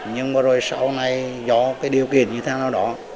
nhưng mà rồi sau này do cái điều kiện như thế nào đó